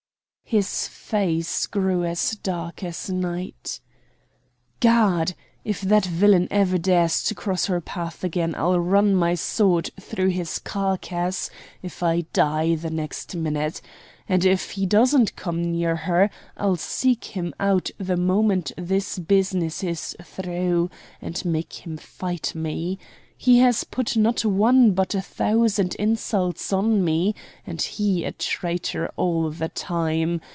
His face grew as dark as night. "God! if that villain ever dares to cross her path again, I'll run my sword through his carcass, if I die the next minute; and if he doesn't come near her, I'll seek him out the moment this business is through, and make him fight me. He has put not one but a thousand insults on me and he a traitor all the time.